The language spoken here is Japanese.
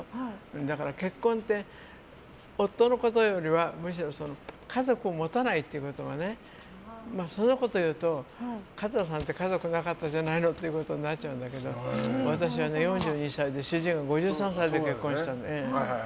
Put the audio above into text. だから、結婚って夫のことよりはむしろ家族を持たないってことのそんなこと言うと桂さんち家族いなかったじゃないってなっちゃうんだけど私は４２歳で主人が５３歳で結婚したの。